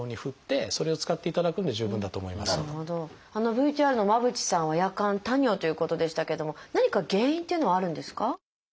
ＶＴＲの間渕さんは夜間多尿ということでしたけども何か原因っていうのはあるんですか？